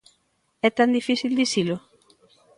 ¿É tan difícil dicilo?